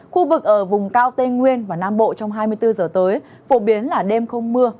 khu vực ở vùng cao tây nguyên và nam bộ trong hai mươi bốn giờ tới phổ biến là đêm không mưa